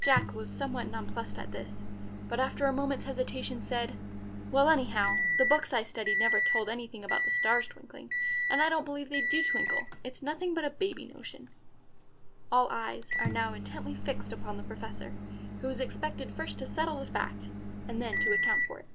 Jack was somewhat nonplussed at this, but after a moment's hesitation said, "Well, anyhow, the books I studied never told anything about the stars twinkling, and I don't believe they do twinkle. It's nothing but a baby notion." All eyes are now intently fixed upon the Professor, who is expected first to settle the fact, and then to account for it.